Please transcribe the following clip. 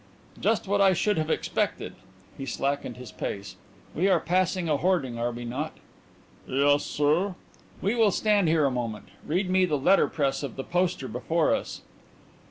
"Just what I should have expected." He slackened his pace. "We are passing a hoarding, are we not?" "Yes, sir." "We will stand here a moment. Read me the letterpress of the poster before us."